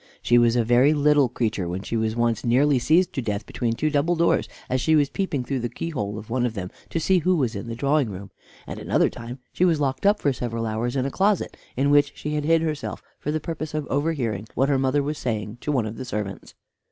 She was a very little creature when she was once nearly squeezed to death between two double doors as she was peeping through the keyhole of one of them to see who was in the drawing room; and another time she was locked up for several hours in a closet in which she had hid herself for the purpose of overhearing what her mother was saying to one of the servants.